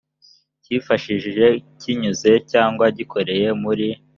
cyifashishije kinyuze cyangwa gikoreye muri